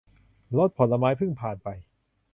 รถผลไม้เพิ่งผ่านไป